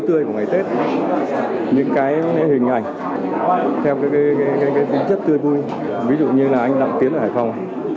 tươi của ngày tết những cái hình ảnh theo tính chất tươi vui ví dụ như là anh đặng tiến ở hải phòng